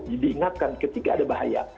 jadi ingatkan ketika ada bahaya